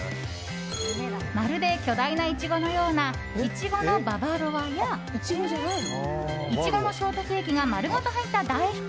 まるで巨大なイチゴのようないちごのババロワやイチゴのショートケーキが丸ごと入った大福。